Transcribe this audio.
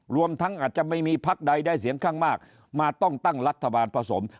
รวมทั้งอาจจะไม่มีพักใดได้เสียงข้างมากมาต้องตั้งรัฐบาลผสม